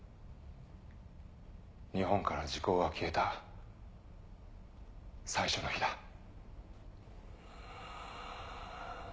日本から時効が消えた最初の日だ。